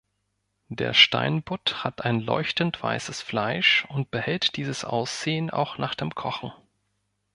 Der Steinbutt hat ein leuchtend weißes Fleisch und behält dieses Aussehen auch nach dem Kochen.